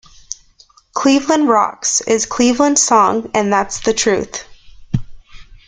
'Cleveland Rocks' is Cleveland's song and that's the truth.